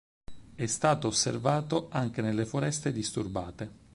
È stato osservato anche nelle foreste disturbate.